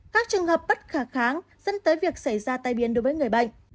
các trường hợp bất khả kháng dẫn tới việc xảy ra tai biến đối với người bệnh